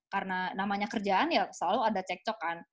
karena namanya kerjaan ya selalu ada cekcokan